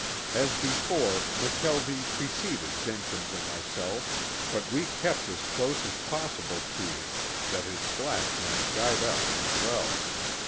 As before, McKelvie preceded Jenkins and myself, but we kept as close as possible to him that his flash might guide us as well.